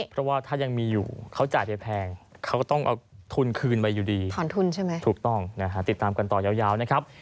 เพราะว่าถ้ายังมีอยู่เขาจ่ายไปแพงเขาก็ต้องเอาทุนคืนไปอยู่ดีถอนทุนใช่ไหมถูกต้องนะฮะติดตามกันต่อยาวนะครับ